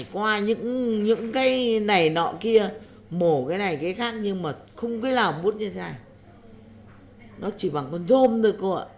qua những cái này nọ kia mổ cái này cái khác nhưng mà không có nào bút như thế này nó chỉ bằng con rôm thôi cô ạ